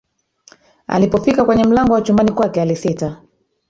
Alpofika kwenye mlango wa chumbani kwake alisita